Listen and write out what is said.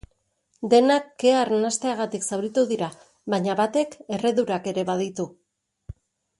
Denak kea arnasteagatik zauritu dira, baina batek erredurak ere baditu.